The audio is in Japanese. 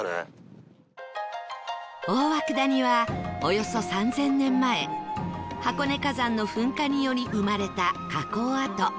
大涌谷はおよそ３０００年前箱根火山の噴火により生まれた火口跡